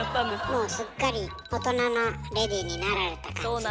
もうすっかり大人なレディーになられた感じでね。